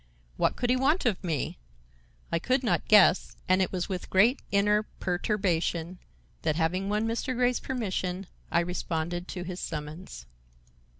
What could he want of me? I could not guess, and it was with great inner perturbation that, having won Mr. Grey's permission, I responded to his summons.